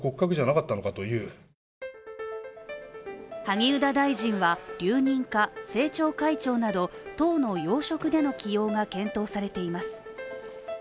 萩生田大臣は留任か政調会長など党の要職での起用が検討されています。